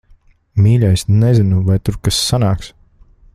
Mīļais, nezinu, vai tur kas sanāks.